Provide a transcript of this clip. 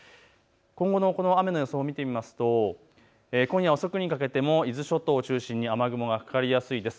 今後の雨の予想を見ていきますと伊豆諸島を中心に雨雲がかかりやすいです。